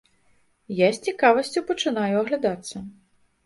Я з цікавасцю пачынаю аглядацца.